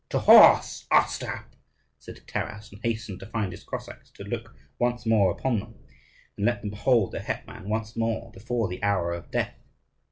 "To horse, Ostap!" said Taras, and hastened to find his Cossacks, to look once more upon them, and let them behold their hetman once more before the hour of death.